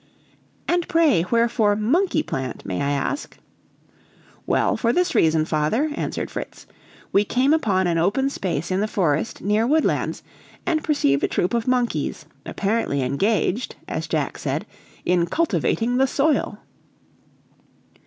"And pray wherefore 'monkey plant,' may I ask?" "Well, for this reason, father," answered Fritz: "we came upon an open space in the forest near Woodlands, and perceived a troop of monkeys, apparently engaged, as Jack said, in cultivating the soil!